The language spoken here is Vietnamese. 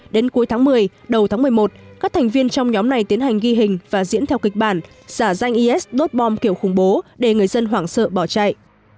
đến cuối tháng một mươi đầu tháng một mươi một các thành viên trong nhóm này tiến hành ghi hình và diễn theo kịch bản giả danh is đốt bom kiểu khủng bố để người dân hoảng sợ bỏ chạy